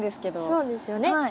そうですよね。